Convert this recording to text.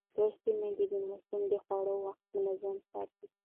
لوستې میندې د ماشومانو د خوړو وخت منظم ساتي.